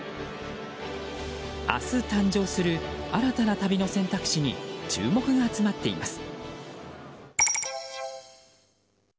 明日誕生する新たな旅の選択肢に注目が集まっています。